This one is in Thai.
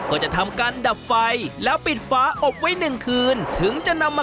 ก็จะทำการดับไฟแล้วปิดฝาอบไว้๑คืน